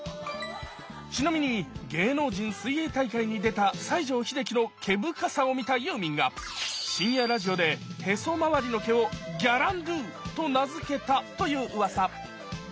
ちなみに芸能人水泳大会に出た西城秀樹の毛深さを見たユーミンが深夜ラジオでへそ周りの毛を「ギャランドゥ」と名付けたというウワサ